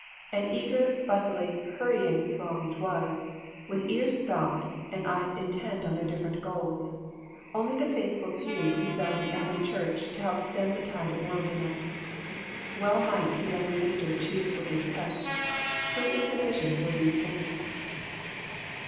An eager, bustling, hurrying throng it was, with ears stopped, and eyes intent on their different goals ; only the faithful few to be found in every church to help stem the tide of worldliness. Well might the young minister choose for his text :" Who is sufficient for these things